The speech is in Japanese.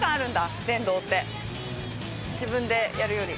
自分でやるより。